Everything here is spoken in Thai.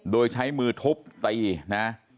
โดยใช้มือทบตีนะครับ